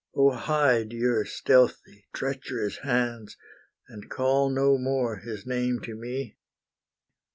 Oh hide your stealthy, treacherous hands, And call no more his name to me.'